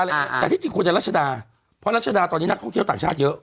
แต่ที่จริงควรจะรัชดาเพราะรัชดาตอนนี้นักท่องเที่ยวต่างชาติเยอะ